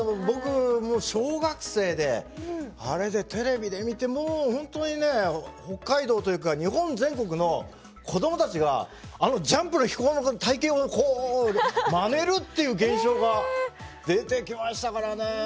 僕もう小学生であれでテレビで見てもう本当にね北海道というか日本全国の子供たちがあのジャンプの飛行の体形をこうまねるっていう現象が出てきましたからね。